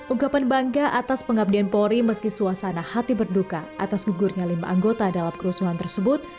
ungkapan bangga atas pengabdian polri meski suasana hati berduka atas gugurnya lima anggota dalam kerusuhan tersebut